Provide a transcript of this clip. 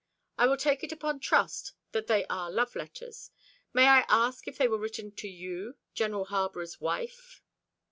"I will take it upon trust that they are love letters. May I ask if they were written to you General Harborough's wife?"